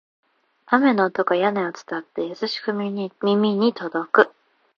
雨の音が屋根を伝って、優しく耳に届く